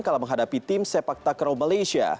kalau menghadapi tim sepak takraw malaysia